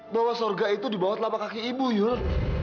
bahwa sorga itu dibawah telapak kaki ibu yul